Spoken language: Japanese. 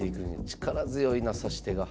力強いな指し手が。